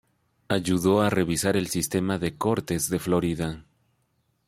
Ayudó a revisar el sistema de cortes de Florida.